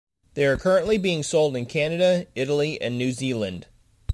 They are currently being sold in Canada, Italy and New Zealand.